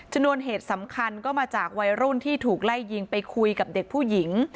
นวนเหตุสำคัญก็มาจากวัยรุ่นที่ถูกไล่ยิงไปคุยกับเด็กผู้หญิง